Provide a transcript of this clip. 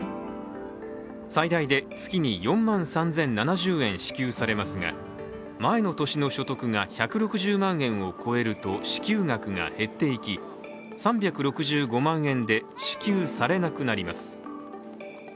最大で月に４万３０７０円支給されますが、前の年の所得が１６０万円を超えると支給額が減っていき３６５万円で支給されなくなります。